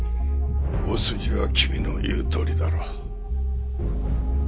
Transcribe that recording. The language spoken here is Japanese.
大筋は君の言うとおりだろう。